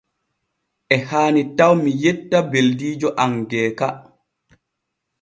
E haani taw mi yetta beldiijo am Geeka.